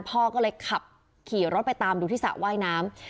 พ่อก็เลยขับขี่รถไปตามดูที่สระว่ายน้ำ